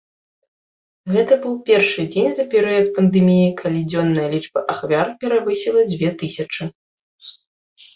Гэта быў першы дзень за перыяд пандэміі, калі дзённая лічба ахвяр перавысіла дзве тысячы.